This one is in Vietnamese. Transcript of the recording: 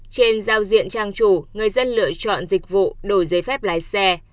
trên giao diện trang chủ người dân lựa chọn dịch vụ đổi giấy phép lái xe